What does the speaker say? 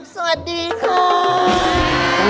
สวัสดีครับ